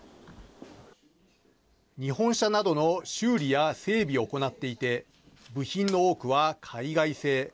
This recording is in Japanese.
日本車などの修理や整備を行っていて部品の多くは海外製。